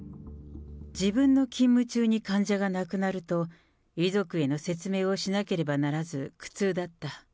自分の勤務中に患者が亡くなると、遺族への説明をしなければならず苦痛だった。